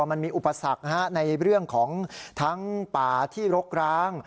มันมีอุปสรรคในเรื่องของทั้งป่าที่รกร้าง